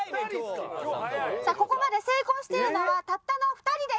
さあここまで成功しているのはたったの２人です。